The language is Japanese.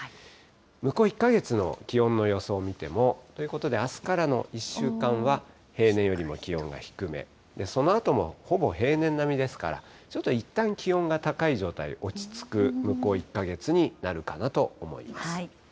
向こう１か月の気温の予想見ても、ということであすからの１週間は平年よりも気温が低め、そのあともほぼ平年並みですから、ちょっといったん気温が高い状態、落ち着く、向こう１か月になるかなと思います。